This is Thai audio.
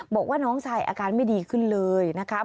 บอกว่าน้องชายอาการไม่ดีขึ้นเลยนะครับ